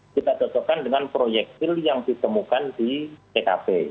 kita dotokan dengan proyekil yang ditemukan di kkp